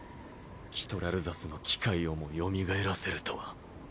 キトラルザスの機械をもよみがえらせるとは。